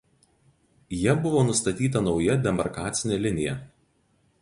Ja buvo nustatyta nauja demarkacinė linija.